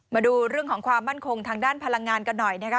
มาดูเรื่องของความมั่นคงทางด้านพลังงานกันหน่อยนะคะ